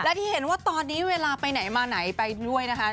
และที่เห็นว่าตอนนี้เวลาไปไหนมาไหนไปด้วยนะคะ